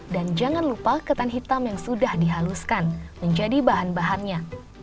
dan jangan lupa ketan hitam yang sudah dihaluskan menjadi bahan bahannya